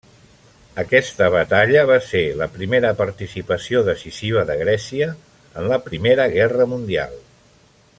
Aquesta batalla va ser la primera participació decisiva de Grècia en la Primera Guerra Mundial.